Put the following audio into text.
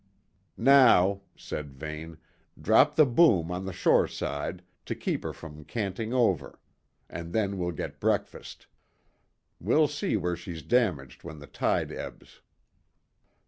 "Now," said Vane, "drop the boom on the shore side, to keep her from canting over; and then we'll get breakfast. We'll see where she's damaged when the tide ebbs."